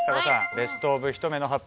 ベスト・オブ・ひと目の発表